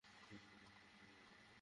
বাদ দাও, এখন অন্তত বলো।